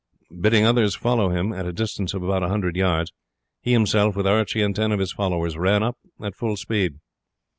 Bidding others follow him at a distance of about a hundred yards, he himself, with Archie and ten of his followers, ran up at full speed.